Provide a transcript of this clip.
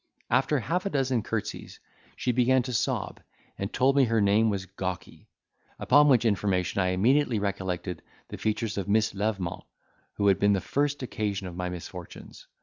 After half a dozen curtsies, she began to sob, and told me her name was Gawky; upon which information I immediately recollected the features of Miss Lavement, who had been the first occasion of my misfortunes.